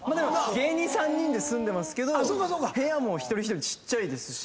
芸人３人で住んでますけど部屋も一人一人ちっちゃいですし。